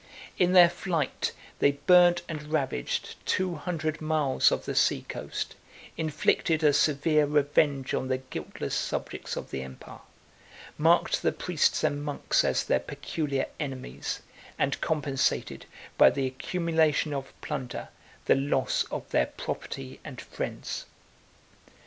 In their flight, they burnt and ravaged two hundred miles of the sea coast; inflicted a severe revenge on the guiltless subjects of the empire; marked the priests and monks as their peculiar enemies; and compensated, by the accumulation of plunder, the loss of their property and friends.